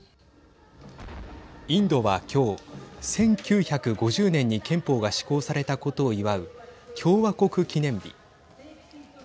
インドは今日１９５０年に憲法が施行されたことを祝う共和国記念日。